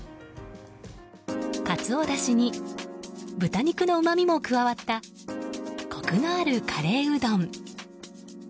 カツオだしに豚肉のうまみも加わったコクのあるカレーうどん。